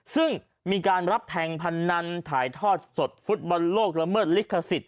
ซึ่งมีการรับแทงพนันถ่ายทอดสดฟุตบอลโลกละเมิดลิขสิทธิ